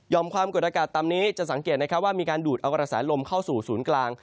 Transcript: ความกดอากาศต่ำนี้จะสังเกตนะครับว่ามีการดูดเอากระแสลมเข้าสู่ศูนย์กลาง